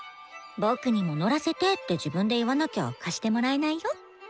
「僕にも乗らせて！」って自分で言わなきゃ貸してもらえないよ。